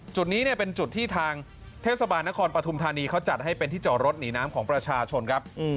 จุดนี้เนี่ยเป็นจุดที่ทางเทศบาลนครปฐุมธานีเขาจัดให้เป็นที่จอดรถหนีน้ำของประชาชนครับ